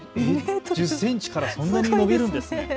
１０センチからそんなに伸びるんですね。